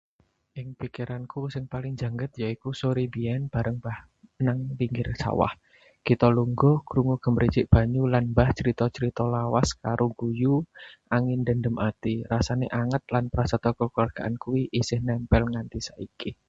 Ing pikiranku sing paling njangget yaiku sore mbiyen bareng mbah nang pinggir sawah. Kita lungguh, krungu gemericik banyu lan mbah crita crita lawas karo guyu, angin ndhehem ati. Rasané anget lan prasetya kekeluargaan kuwi isih nempel nganti saiki.